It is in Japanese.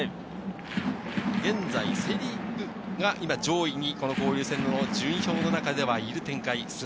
現在、セ・リーグが上位に交流戦の順位表の中ではいる展開です。